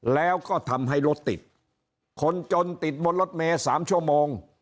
แล้วก็ทำให้รถติดคนจนติดบนรถเมย์๓ชั่วโมง